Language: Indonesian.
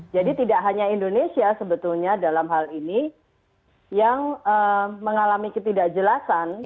jadi tidak hanya indonesia sebetulnya dalam hal ini yang mengalami ketidakjelasan